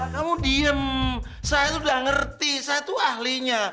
kamu diem saya itu udah ngerti saya itu ahlinya